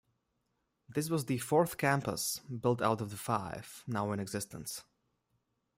This was the fourth campus built out of the five now in existence.